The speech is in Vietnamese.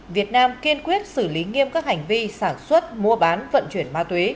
việt nam kiên quyết xử lý nghiêm các hành vi sản xuất mua bán vận chuyển ma túy